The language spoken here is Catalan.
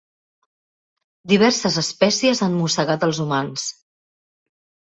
Diverses espècies han mossegat els humans.